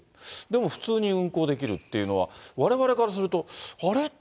でも普通に運航できるっていうのは、われわれからすると、あれ？